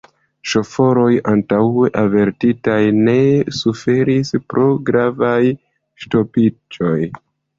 Ŝoforoj, antaŭe avertitaj, ne suferis pro gravaj ŝtopiĝoj.